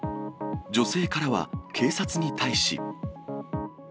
女性からは、警察に対し。